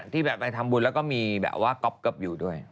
ที่แบบไปทำบุญแล้วก็มีแบบว่าก๊อบอยู่ด้วย